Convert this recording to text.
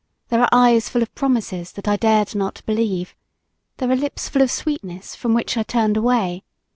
There are eyes full of promises that I dared not believe. There are lips full of sweetness, from which I turned away.